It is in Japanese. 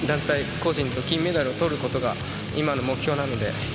個人の金メダルを取ることが今の目標なので。